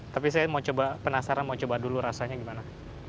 tapi saya penasaran mau coba dulu rasanya gimana